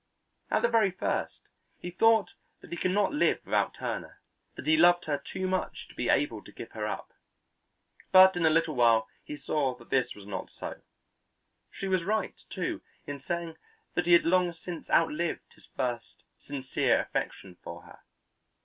At the very first he thought that he could not live without Turner; that he loved her too much to be able to give her up. But in a little while he saw that this was not so. She was right, too, in saying that he had long since outlived his first sincere affection for her.